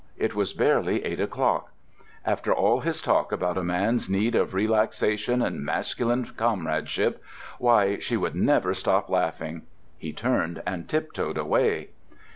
It was barely eight o'clock. After all his talk about a man's need of relaxation and masculine comradeship—why, she would never stop laughing! He turned and tiptoed away.